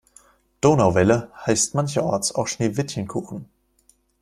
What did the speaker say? Donauwelle heißt mancherorts auch Schneewittchenkuchen.